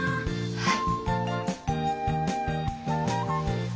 はい！